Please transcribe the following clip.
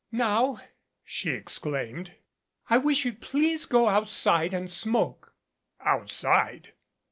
"Now," she exclaimed. "I wish you'd please go out side and smoke." "Outside!